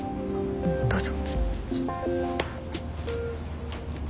どうぞ。